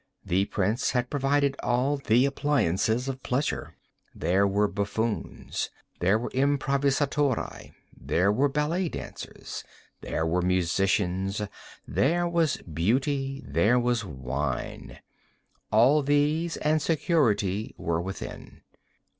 The prince had provided all the appliances of pleasure. There were buffoons, there were improvisatori, there were ballet dancers, there were musicians, there was Beauty, there was wine. All these and security were within.